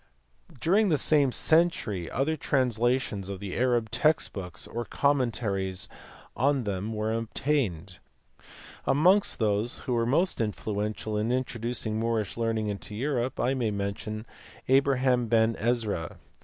During the same century other translations of the Arab text books or commentaries on them were obtained. Amongst those who were most influential in introducing Moorish learn ing into Europe I may mention Abraham Ben Ezra*.